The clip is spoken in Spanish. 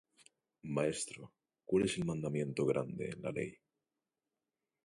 Maestro, ¿cuál es el mandamiento grande en la ley?